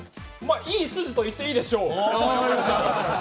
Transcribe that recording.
いい筋と言っていいでしょう。